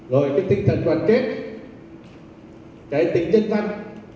rồi cái tinh thần toàn kết cái tính chân văn